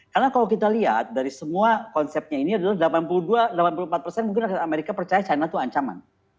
karena kalau kita lihat dari semua konsepnya ini adalah delapan puluh dua delapan puluh empat persen mungkin amerika percaya china itu ancaman